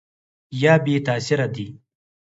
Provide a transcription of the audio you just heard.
یا بې تاثیره دي ؟